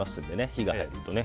火が入るとね。